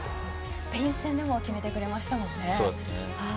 スペイン戦でも決めてくれましたもんね。